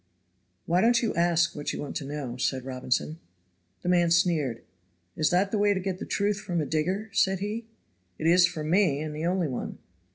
"Why don't you ask what you want to know?" said Robinson. The man sneered. "Is that the way to get the truth from a digger?" said he. "It is from me, and the only one."